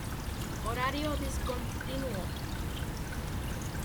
Horario discontinuo.